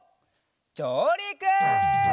じょうりく！